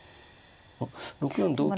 ６四同金か。